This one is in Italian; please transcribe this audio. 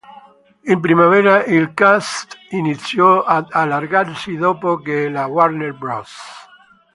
In primavera il cast iniziò ad allargarsi dopo che la Warner Bros.